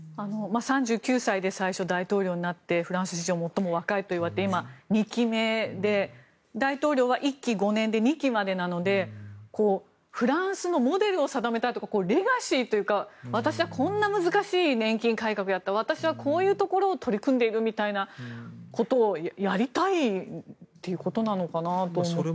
３９歳で最初、大統領になってフランス史上最も若いといわれて今２期目で、大統領は１期５年で２期までなのでフランスのモデルを定めたいというかレガシーというか、私はこんな難しい年金改革をやった私はこういうところを取り組んでいるみたいなことをやりたいということなのかなと思ったんですが。